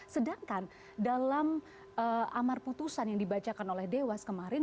sedangkan dalam amar putusan yang dibacakan oleh dewas kemarin